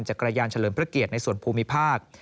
จักรยานเฉลิมพระเกียรติในส่วนภูมิภาค